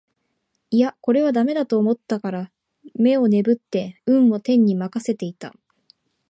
いやこれは駄目だと思ったから眼をねぶって運を天に任せていた